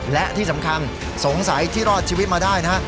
และที่สำคัญสงสัยที่รอดชีวิตมาได้นะฮะ